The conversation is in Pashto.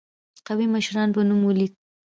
قومي مشرانو په نوم ولیک.